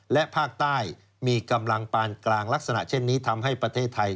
และภาคใต้มีกำลังปานกลางลักษณะเช่นนี้ทำให้ประเทศไทย